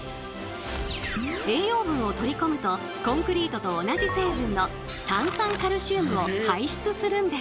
栄養分を取り込むとコンクリートと同じ成分の炭酸カルシウムを排出するんです。